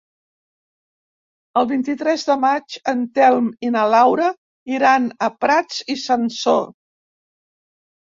El vint-i-tres de maig en Telm i na Laura iran a Prats i Sansor.